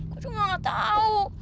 gue tuh gak tau